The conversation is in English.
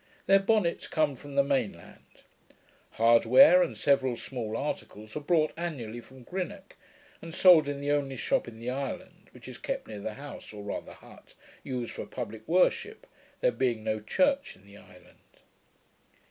Their bonnets come from the main land. Hard ware and several small articles are brought annually from Greenock, and sold in the only shop in the island, which is kept near the house, or rather hut, used for publick worship, there being no church in the island.